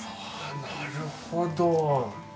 なるほど。